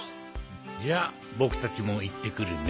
じゃあぼくたちもいってくるね。